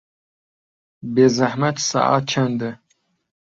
بێزەحمەت سەعات چەندە؟